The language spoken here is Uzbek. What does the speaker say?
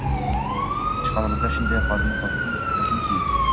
– Ishxonamizda shunday xodimni topinki